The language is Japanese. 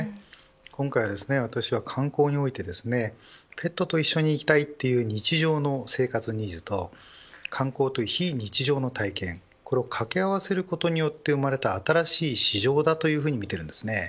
今回、私は観光においてペットと一緒に行きたいという日常の生活ニーズと観光という非日常の体験を掛け合わせることによって生まれた新しい市場だと見ています。